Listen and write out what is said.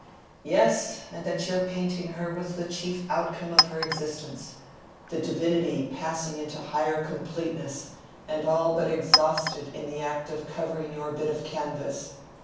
"Yes, and that your painting her was the chief outcome of her existence—the divinity passing into higher completeness and all but exhausted in the act of covering your bit of canvas.